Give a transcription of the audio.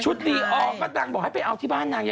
ดีออร์ก็นางบอกให้ไปเอาที่บ้านนาง